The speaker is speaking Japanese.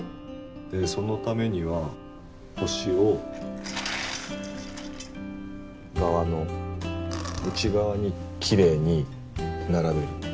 でそのためには星を皮の内側にきれいに並べる。